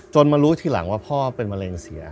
มารู้ทีหลังว่าพ่อเป็นมะเร็งเสีย